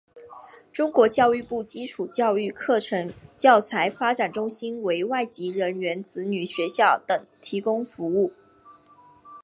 中国教育部基础教育课程教材发展中心为外籍人员子女学校等提供服务。